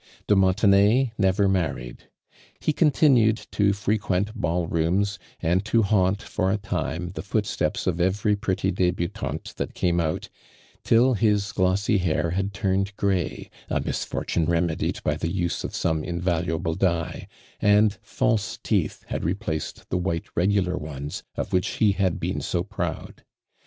De Montenay never married. He con tinued to frequent boll i'ooms and to haunt for a time the footsteps of every pretty de butante that came out, till his glossy hau had tm'ned gray, — a misfortune remedied by the use of some invaluable dye — and false teeth had replaced the white regular ones of which he had been so proud.